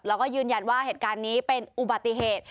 แล้วก็ยืนยันว่าเหตุการณ์นี้เป็นอุบัติเหตุ